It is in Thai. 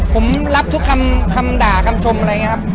ผมรับทุกคำด่าคำชมอะไรอย่างนี้ครับ